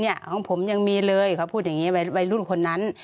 ของผมยังมีเลยเขาพูดอย่างนี้วัยรุ่นคนนั้น